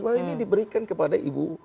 bahwa ini diberikan kepada ibu